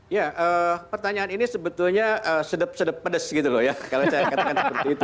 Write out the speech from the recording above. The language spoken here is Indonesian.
ya pertanyaan ini sebetulnya sedap sedep pedes gitu loh ya kalau saya katakan seperti itu